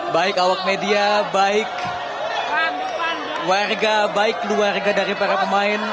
baik awak media baik warga baik keluarga dari para pemain